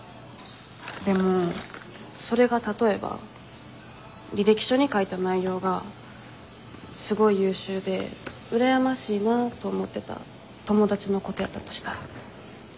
でもそれが例えば履歴書に書いた内容がすごい優秀で羨ましいなと思ってた友達のことやったとしたら。